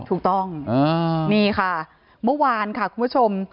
ถูกต้องนี่ค่ะเมื่อวานค่ะคุณผู้ชม